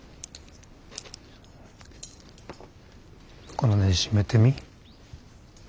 このねじ締めてみ。